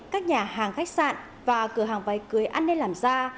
các nhà hàng khách sạn và cửa hàng váy cưới an ninh làm ra